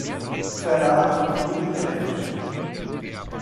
Verlag von Emil Baensch.